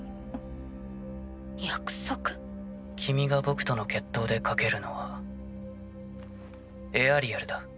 君が僕との決闘で賭けるのはエアリアルだ。